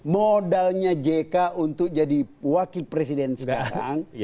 modalnya jk untuk jadi wakil presiden sekarang